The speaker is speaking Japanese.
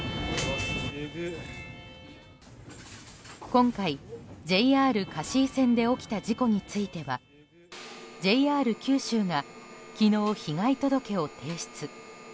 今回、ＪＲ香椎線で起きた事故についてはＪＲ九州が昨日、被害届を提出。